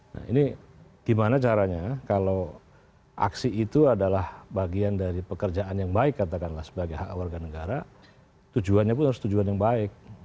nah ini gimana caranya kalau aksi itu adalah bagian dari pekerjaan yang baik katakanlah sebagai hak warga negara tujuannya pun harus tujuan yang baik